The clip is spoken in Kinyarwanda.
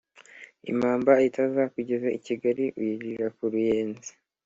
Impamba itazakugeza i Kigali uyirira ku Ruyenzi.